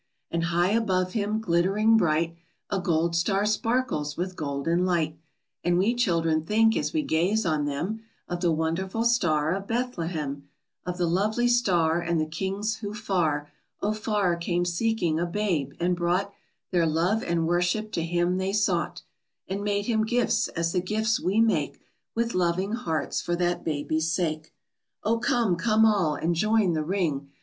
And high above Him glittering bright A gold star sparkles with golden light, And we children think, as we gaze on them, Of the wonderful Star of Bethlehem, Of the lovely Star And the Kings who far, Oh, far, came seeking a Babe and brought Their love and worship to Him they sought, And made Him gifts, as the gifts we make With loving hearts for that Baby's sake. _Oh, come, come all, and join the ring!